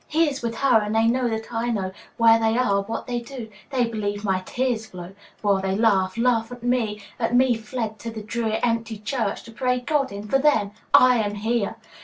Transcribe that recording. He is with her, and they know that I know Where they are, what they do: they believe my tears flow While they laugh, laugh at me, at me fled to the drear Empty church, to pray God in, for them! I am here!